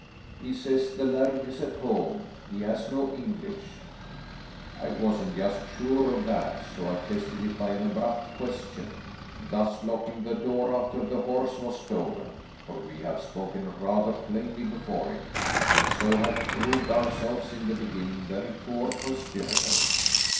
"He says the laird is at home. He has no English." "I wasn't just sure of that, so I tested it by an abrupt question, thus locking the door after the horse was stolen, for we have spoken rather plainly before him, and so have proved ourselves in the beginning very poor conspirators.